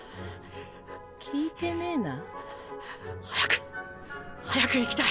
聞いてねぇな。